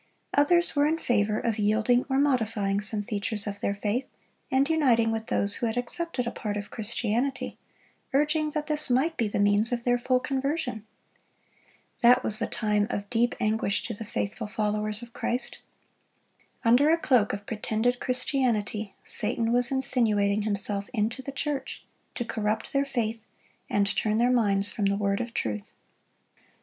Others were in favor of yielding or modifying some features of their faith, and uniting with those who had accepted a part of Christianity, urging that this might be the means of their full conversion. That was a time of deep anguish to the faithful followers of Christ. Under a cloak of pretended Christianity, Satan was insinuating himself into the church, to corrupt their faith, and turn their minds from the word of truth.